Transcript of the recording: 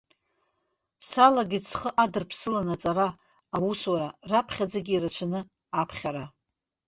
Салагеит схы адырԥсыланы аҵара, аусура, раԥхьаӡагьы, ирацәаны аԥхьара.